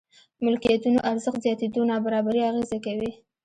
ملکيتونو ارزښت زياتېدو نابرابري اغېزه کوي.